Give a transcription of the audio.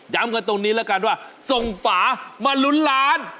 กันตรงนี้แล้วกันว่าส่งฝามาลุ้นล้าน